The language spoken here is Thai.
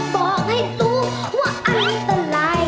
บอกให้รู้ว่าอันตราย